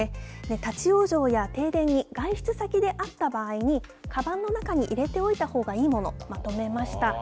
立往生や停電に外出先で遭った場合に、かばんの中に入れておいたほうがいいもの、まとめました。